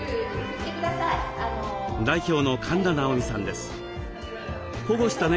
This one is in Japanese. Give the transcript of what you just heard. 代表の神田直美さんです。